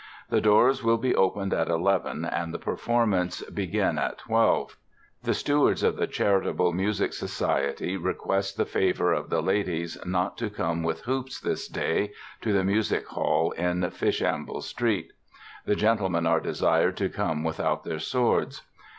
The doors will be opened at Eleven, and the performance begin at Twelve. The Stewards of the Charitable Musical Society request the favor of the ladies not to come with hoops this day to the Musick Hall in Fishamble Street. The Gentlemen are desired to come without their swords."